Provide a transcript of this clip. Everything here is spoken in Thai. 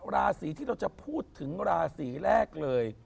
ราศีที่เราจะพูดถึงราศีแรกเลย